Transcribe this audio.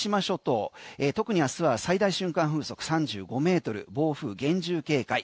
先島諸島へ特に明日は最大瞬間風速３５ｍ暴風厳重警戒。